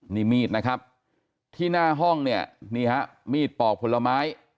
นี่มีดที่หน้าห้องนี้มีดปอกผลไม้